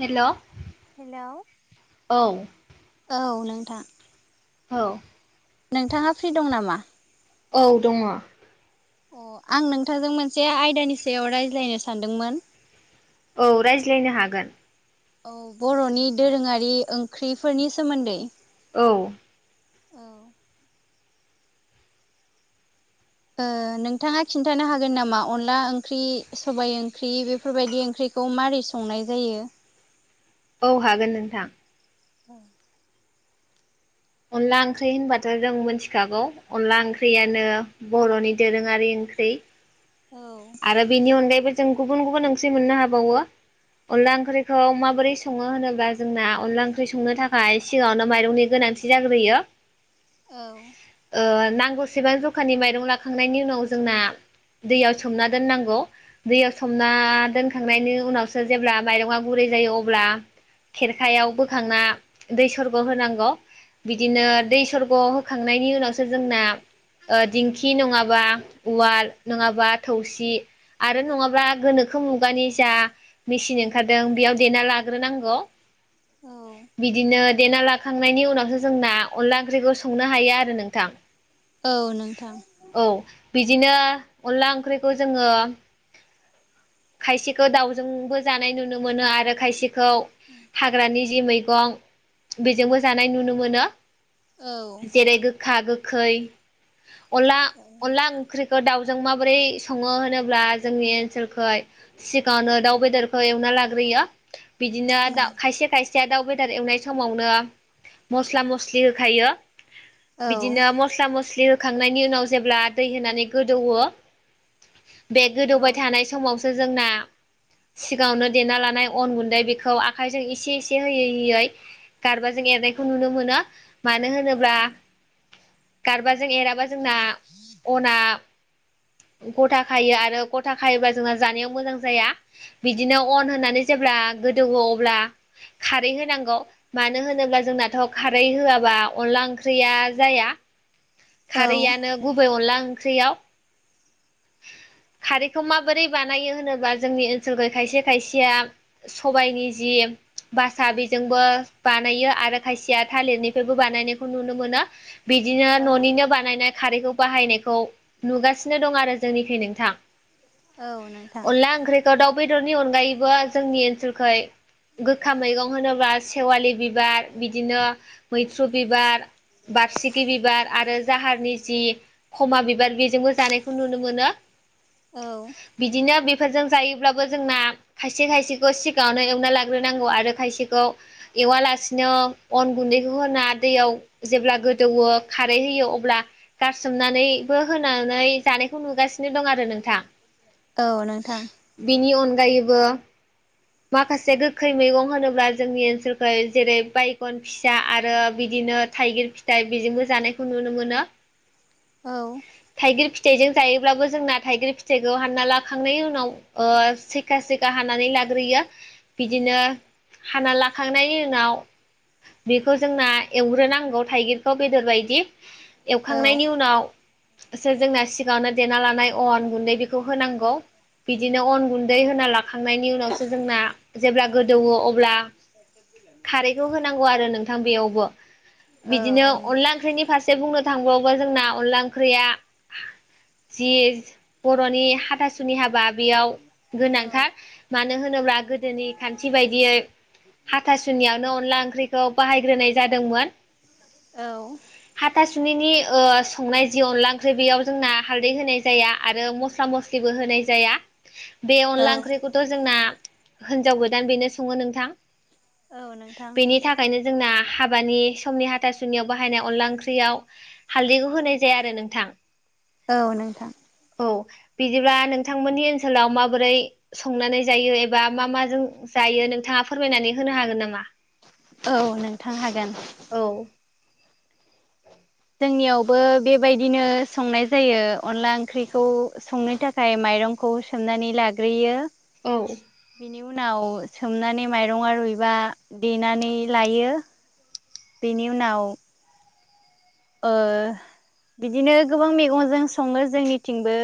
Hello hello औ नोंथां औ नोंथाङा फ्रि दं नामा औ दङ अ आं नोंथांजों मोनसे आयदानि सायाव रायज्लायनो सानदोंमोन । औ रायज्लायनो हागोन । औ बर'नि दोरोङारि ओंख्रिफोरनि सोमोन्दै । औ औ ओ नोंथाङा खिन्थानो हागोन नामा अनला ओंख्रि सबाइ ओंख्रि बेफोरबायदि ओंख्रि खौ मारै संनाय जायो । औ हागोन नोंथां । औ अनला ओंख्रि होनबाथ' जों मिथिखागौ अनला ओंख्रियानो बर'नि दोरोङारि ओंख्रि । औ जों गुबुन गुबुन ओंख्रि मोननो हाबावो । अनला ओंख्रिखौ माबोरै सङो होनोब्ला जोंना अनला ओंख्रि संनो थाखाय सिगाङावनो माइरंनि गोनां थि जाग्रोयो । औ ओ नां गौसेबां जखानि माइरं लाखांनायनि उनाव जोंना दैआव सोमना दोननांगौ दैयाव सोमना दोनखांनायनि उनावसो जेब्ला माइरङा गुरै जायो अब्ला खेरखायाव बोखांना दै सरग होनांगौ । बिदिनो औ दै सरग' हो खांनायनि उनावसो जोंना ओ दिंखि नङाबा उवाल नङाबा थौसि आरो नङाब्ला गोनोखो मुगानि जा मेसिन ओंखारदों बेयाव देना ला लाग्रोनांगौ औ बिदिनो देना लाखांनायनि उनावसो जोंना अनला ओंख्रिखौ संनो हायो आरो नोंथां । औ नोंथां बिदिनो अनला ओंख्रिखौ जोङो खायसेखौ दाउजोंबो जानाय नुनो मोनो आरो खायसेखौ हाग्रानि जि मैगं बेजोंबो जानाय नुनो मोनो औ जेरै गोखा गो खै अनला औ अनला ओंख्रि खौ दाउजों माबोरै सङो होनोब्ला जोंनि ओनसोलखै सिगाङावनो दाउ बेदरखौ एवना लाग्रोयो बिदिनो खायसे खायसे दाउ बेदर एवनाय समावनो मस्ला मस्लि होखायो । औ बिदिनो मस्ला म स्लि होखांनायनि उनाव जेब्ला दै होनानै गोदौवो बे गोदौबाय थानाय समावसो जोंना सिगाङावनो देना लानाय अन गुन्दै बेखौ आखायजों एसे एसे होयै होयै गारबाजों एरनायखौ नुनो मोनो । मानो होनोब्ला गारबाजों एराबा जोंना अना गथा खायो आरो गथा खायोबा जोंना जानायाव मोजां जाया बिदिनो अन होनानै जेब्ला गोदौवो अब्ला खारै होनां गौ मानो होनोब्ला जोंनाथ' खारै होआबा अनला ओंख्रिया जाया । खारैआनो गुबै अनला ओंख्रियाव खारैखौ माबोरै बानायो होनोब्ला जोंनि ओनसोलखै खायसे खायसेया सबायनि जि बासा बेजोंबो बानायो आरो खायसेया थालिरनिफ्रायबो बानायनायखौ नुनो मोनो । बिदिनो न'निनो बानायनाय खारैखौ बाहायनायखौ नुगासिनो दं आरो जोंनिखै नोंथां। औ नोंथां औ दाउ बेदरनि अनगायैबो जोंनि ओनसोलखै गोखा मैगं होनोब्ला सेवालि बिबार, बिदिनो मैथ्रु बिबार, बारसिखि बिबार आरो जाहारनि जि खमा बिबार बेजोंबो जानायखौ नुनो मोनो। औ बिदिनो बे फोरजों जायोब्लाबो जोंना खायसे खायसेखौ सिगाङावनो एवना लाग्रोनांगौ आरो खायसेखौ एवालासिनो अन गुन्दैखौ होना दैयाव जेब्ला गोदौवो खारै होयो अब्ला गारसोमनानैबो होनानै जानायखौ नुगासिनो दं आरो नोंथां। औ नोंथां। बेनि अनगायैबो माखासे गोखै मैगं होनोब्ला जोंनि ओनसोलखै जेरै बायगन फिसा आरो बिदि बिदिनो थाइगिर फिथाइ बेजोंबो जानायखौ नुनो मोनो। औ। थाइगिर फिथाइजों जायोब्लाबो जोंना थाइगिर फिथाइखौ हानना लाखांनायनि उनाव ओ सैखा सैखा हानानै ला ग्रोयो बिदिनो हाना लाखांनायनि उनाव बेखौ जोंना एवग्रोनांगौ थाइगिरखौ बेदर बायदि औ एवखांनायनि उनाव एसे जोंना सिगाङावनो देना लानाय अन गुन्दै बेखौ होनांगौ। बिदिनो अन गुन्दै होना लाखांनायनि उनावसो जोंना जेब्ला गोदौवो अब्ला खारैखौ होनांगौ आरो नोंथां बेयावबो। बिदिनो औ अनला ओंख्रिनि फारसे बुंनो थांबावोबा जोंना अनला ओंख्रिया जि बर'नि हाथासुनि हाबा बेयाव नोंथां गोनांथार। मानो होनोब्ला गोदोनि खान्थि बायदियै हा थासुनियावनो अनला ओंख्रिखौ बाहायग्रोनाय जादोंमोन। औ। हाथासुनिनि ओ संनाय जि अनला ओंख्रि बेयाव जोंना हाल्दै होनाय जाया आरो मस्ला मस्लिबो होनाय नाय जाया। बे औ अनला औ ओंख्रिखौथ' जोंना होनजाव गोदान बेनो सङो नोंथां। औ नोंथां। बेनि थाखायनो जोंना हाबानि समनि हाथासुनियाव बाहायनाय अनला ओंख्रियाव हालदैखौ होनाय जाया आरो नोंथां। औ नोंथां औ। बिदिब्ला नोंथांमोननि ओनसोलाव माबोरै संनानै जायो एबा मा माजों जायो नों - थाङा फोरमायनानै होनो हागोन नामा? औ नोंथां हागोन। औ जोंनियावबो बेबायदिनो संनाय जायो अनला ओंख्रिखौ संनो थाखाय माइ रंखौ सोमनानै लाग्रोयो। औ। बेनि उनाव सोमनानै माइरङा रुइबा देनानै लायो। बेनि उनाव ओ बिदिनो गोबां मैगंजों सङो जोंनिथिंबो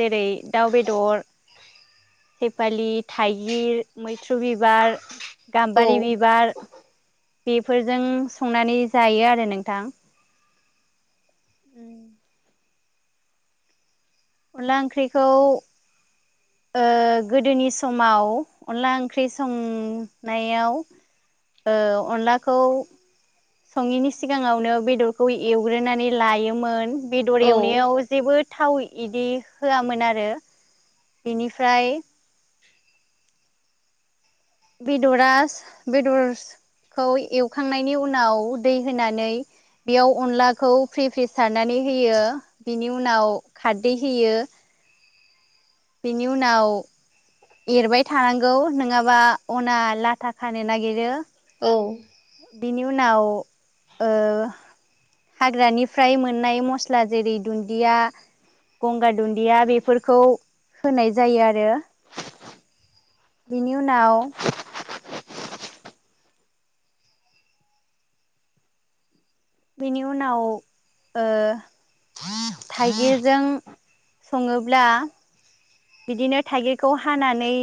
जेरै दाउ बेदर सेपालि, थाइगिर, मै थ्रु बिबार, औ गाम्बारि बिबार बेफोरजों संनानै जायो आरो नोंथां। [unintelligible] अनला ओंख्रिखौ ओ गोदोनि समाव अनला ओंख्रि संनायाव ओ अनलाखौ सङिनि सिगाङावनो बेदरखौ एवग्रोनानै लायोमोन। बेदर औ एवनायाव जेबो थाव इदि होआमोन आरो बिनिफ्राय बेदरास बेदरस खौ एवखांनायनि उनाव दै होनानै बेयाव अनलाखौ फ्रि फ्रि सारनानै होयो बिनि उनाव खारदै होयो। बिनि उनाव एरबाय थानांगौ नङाबा अना लाथा खानो नागिरो। औ बिनि उनाव ओ हाग्रानिफ्राय मोननाय मस्ला जेरै दुन्दिया गंगार दुन्दिया बेफोरखौ होनाय जायो आरो। बिनि उनाव बेनि उनाव ओ थाइगिरजों सङोब्ला बिदिनो थाइगिरखौ हानानै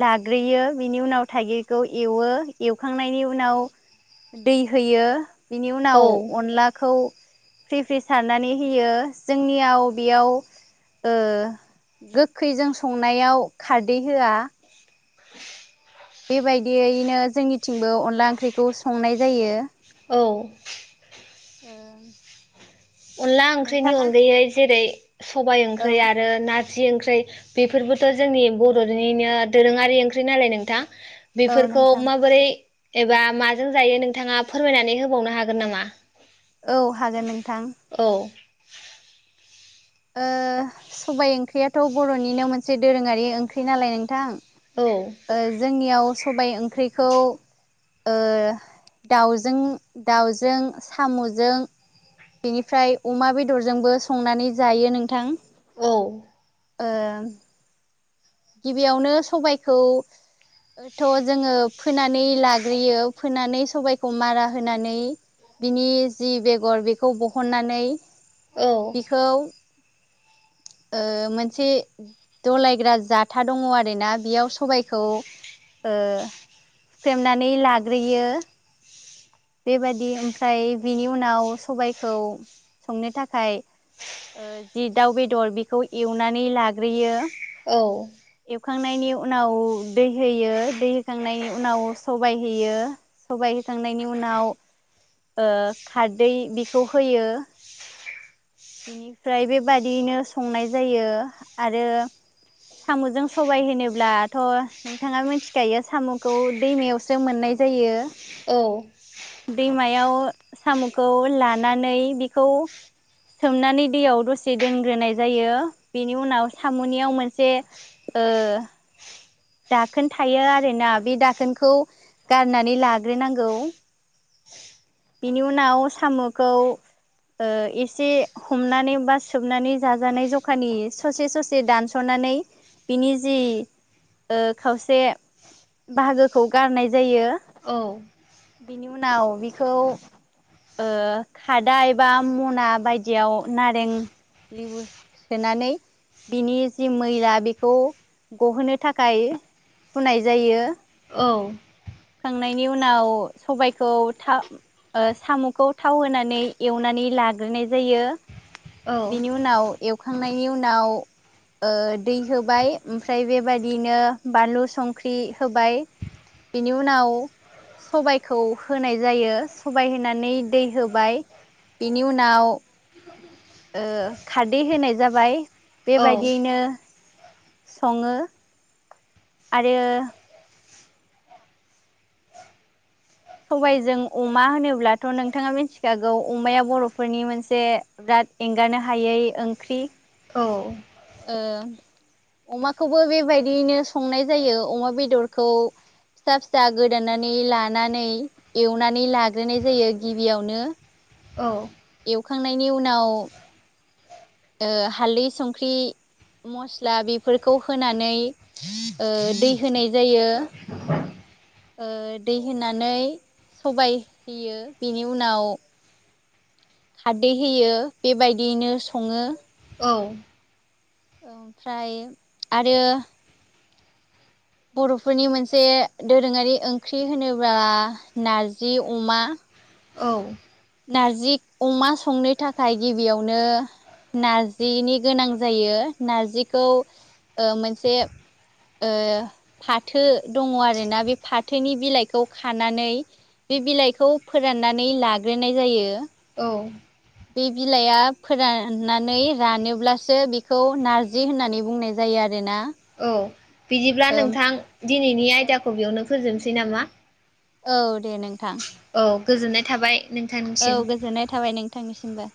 लाग्रोयो बिनि उनाव थाइगिरखौ एवो। एवखांनायनि उनाव दै होयो बिनि औ उनाव अनलाखौ फ्रि फ्रि सारनानै होयो जोंनियाव बेयाव ओ गो खैजों संनायाव खारदै होआ बेबायदियैनो जोंनिथिंबो अनला ओंख्रिखौ संनाय जायो। औ ओ अनला ओंख्रिनि नोंथाङा अनगायै जेरै सबबाय औ ओंख्रि आरो ना थारजि ओंख्रै बेफोरबोथ' जोंनि बर'निनो दोरोङारि ओंख्रि नालाय नोंथां औ बेफोरखौ नोंथां माबोरै एबा माजों जायो नोंथाङा फोरमायनानै होबावनो हागोन नामा? औ हागोन नोंथां। औ ओ सबाय ओंख्रियाथ' बर'निनो मोनसे दोरोङारि ओंख्रि नालाय नोंथां। औ जोंनियाव सबाइ ओंख्रिखौ दाउजों दाउजों साम'जों बेनिफ्राय अमा बेदरजोंबो संनानै जायो नोंथां। औ ओ गिबियावनो सबाइखौ थ' जोङो फोनानै लाग्रोयो फोनानै सबायखौ मारा होनानै बिनि जि बेगर बेखौ बहननानै औ बिखौ मोनसे दलायग्रा जा खोथा दङ आरोना बेयाव सबायखौ ओ सुख्रेमनानै लाग्रोयो। बेबादि ओमफ्राय बिनि उनाव सबायखौ संनो थाखाय जि दाउ बेदर बेखौ एवनानै लाग्रोयो। औ एवखांनायनि उनाव दै होयो दै होखांनायनि उनाव सबाय होयो स बाइ होखांनायनि उनाव खारदै बेखौ होयो। बिनिफ्राय बेबादियैनो संनाय जायो आरो साम'जों सबाय होनोब्लाथ' नोंथाङा मिथिखायो साम'खौ दैमायावसो मोननाय जायो। औ दैमायाव साम'खौ लानानै बेखौ सोमनानै दैयाव दसे दोनग्रोनाय जायो बेनि उनाव सामनियाव मोनसे से ओ दाखोन थायो आरोना बे दाखोनखौ गारनानै लाग्रोनांगौ बिनि उनाव साम'खौ ओ एसे हमनानै बा सोबनानै जाजानाय जखानि ससे ससे दानस'ना नानै बिनि जि ओ खावसे बाहागोखौ गारनाय जायो। औ बिनि उनाव बेखौ ओ खादाय बा मना बायदियाव नारें लिबु सोनानै बिनि जि मैला बेखौ गहोनो थाखाय फुनाय जायो‌। औ। सुखांनायनि उनाव सबायखौ था साम'खौ थाव होनानै एवनानै लाग्रोनाय जायो बेनि उनाव एवखांनायनि उनाव ओ दै होबाय ओमफ्राय बेबादिनो बानलु संख्रि होबाय बिनि उनाव सबायखौ होनाय जायो सबाय होनानै दै होबाय बेनि उनाव ओ खारदै होनाय जाबाय। बेबायदियैनो सङो आरो। सबायजों अमा होनोब्लाथ' नोंथाङा मिथिखागौ अमाया बर'फोरनि मोनसे बिराद एंगारनो हायै ओंख्रि ओ - अमाखौबो बेबायदियैनो संनाय जायो अमा बेदरखौ फिसा फिसा गोदानानै लानानै एवनानै लाग्रोनाय जायो गिबियावनो औ। एवखांनायनि उनाव ओ हालदै संख्रि मस्ला बेफोरखौ होनानै ओ दै होनाय जायो‌ ओ दै होनानै सबाय होयो बेनि उनाव खारदै होयो बेबायदियैनो सङो औ। ओमफ्राय आरो बर'फोरनि मोनसे दोरोङारि ओंख्रि होनोब्ला नारजि अमा औ। नारजि अमा संनो थाखाय गिबियावनो नारजिनि गोनां जायो नारजिखौ ओ मोनसे ओ फाथो दङ आरोना बे फाथोनि बिलाइखौ खानानै बे बिलाइखौ फोराननानै लाग्रोनाय जायो औ बे बिलाइआ फोराननानै रानोब्लासो बेखौ नारजि होननानै बुंनाय जायो आरोना औ बिदिब्ला ओम नोंथां दिनैनि आयदाखौ बेयावनो फोजोबनोसै नामा औ दे नोंथां औ गोजोननाय थाबाय औ नोंथांनिसिम गोजोननाय थाबाय नोंथांनिसिमबो